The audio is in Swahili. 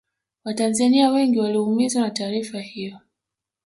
watanzania wengi waliumizwa na taarifa hiyo